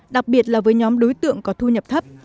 đặc biệt là với nhóm đối tượng có thu nhập thấp